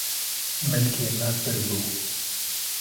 milkê me pirbû